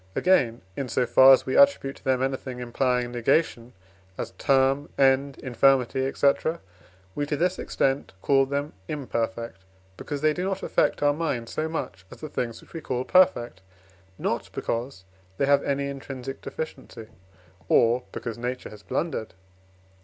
Again, in so far as we attribute to them anything implying negation as term, end, infirmity, etc., we, to this extent, call them imperfect, because they do not affect our mind so much as the things which we call perfect, not because they have any intrinsic deficiency, or because Nature has blundered.